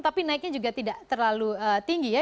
tapi naiknya juga tidak terlalu tinggi ya